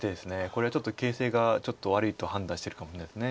これは形勢がちょっと悪いと判断してるかもしれないです。